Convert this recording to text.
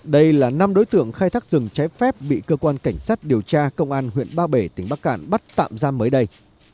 đây là năm đối tượng khai thác rừng trái phép bị cơ quan cảnh sát điều tra công an huyện ba bể tỉnh bắc cạn bắt tạm giam mới đây